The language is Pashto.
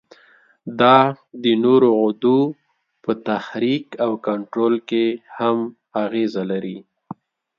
دا د نورو غدو په تحریک او کنترول کې هم اغیزه لري.